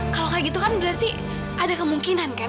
kalau kayak gitu kan berarti ada kemungkinan kan